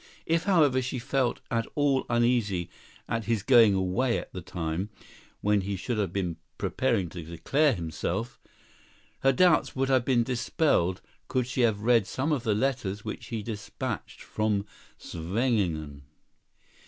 If, however, she felt at all uneasy at his going away at the time when he should have been preparing to declare himself, her doubts would have been dispelled could she have read some of the letters which he dispatched from Scheveningen.